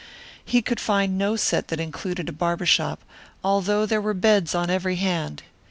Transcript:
He could find no set that included a barber shop, although they were beds on every hand.